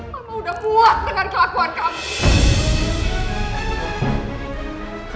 mama udah muat dengan kelakuan kamu